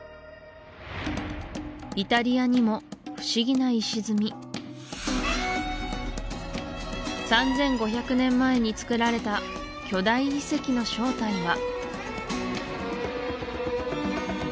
イタリアにも不思議な石積み３５００年前につくられた巨大遺跡の正体は？